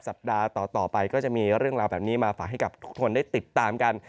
สัปดาห์ต่อไปก็จะมีเรื่องราวแบบนี้มาฝากให้กับทุกคนได้ติดตามกัน